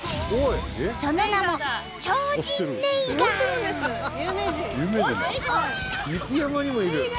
その名も雪山にもいる。